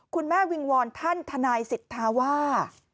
วิงวอนท่านทนายสิทธาว่า